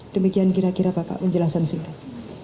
demikian kira kira bapak penjelasan singkat